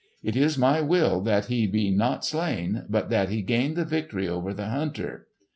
It is my will that he be not slain, but that he gain the victory over the hunter.